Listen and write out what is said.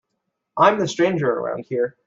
I'm the stranger around here.